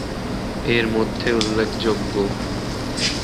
এর মধ্যে উল্লেখযোগ্য:-